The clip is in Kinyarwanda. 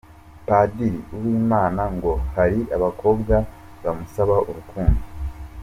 Padiri Uwimana ngo hari abakobwa bamusaba urukundo.